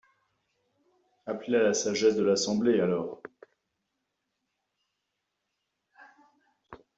Appelez à la sagesse de l’Assemblée, alors